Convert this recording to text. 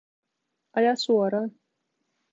Aja suoraan